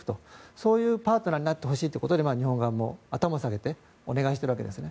そういうパートナーになってほしいということで日本側も頭を下げてお願いしているわけですね。